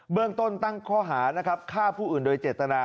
เรื่องต้นตั้งข้อหานะครับฆ่าผู้อื่นโดยเจตนา